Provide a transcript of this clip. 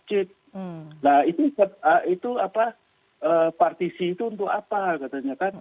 aukaining parenthetic dengan seorang iso ibru suatu